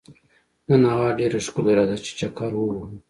نن هوا ډېره ښکلې ده، راځه چې چکر ووهو.